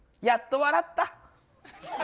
やっと笑った。